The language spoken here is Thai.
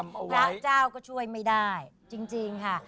พระเจ้าก็ช่วยไม่ได้จริงค่ะ